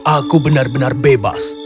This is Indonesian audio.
aku benar benar bebas